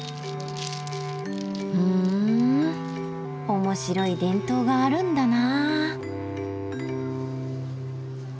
ふんおもしろい伝統があるんだな。